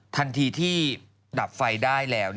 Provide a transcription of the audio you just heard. ทันทีที่ดับไฟได้แล้ว